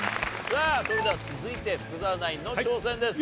さあそれでは続いて福澤ナインの挑戦です。